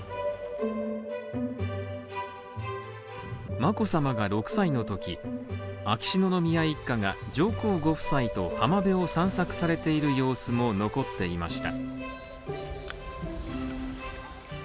眞子さまが６歳のとき、秋篠宮一家が上皇ご夫妻と浜辺を散策されている様子も残っていました。